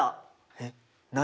えっ何？